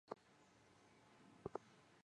又以孤峰似披紫袍金衣得名紫金山。